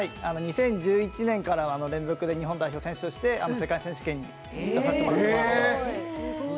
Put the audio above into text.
２０１１年から連続で日本代表選手として世界選手権に出させてもらっています。